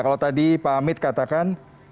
kalau tadi pak hamid katakan